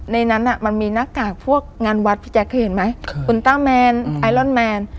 ในนั้นมันมีหน้ากากพวกงานวัดพี่แจ๊คเคยเห็นไหมคุณต้าแมนไอลอนแมน